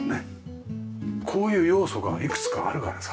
こういう要素がいくつかあるからさ。